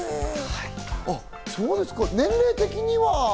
そうですか、年齢的には？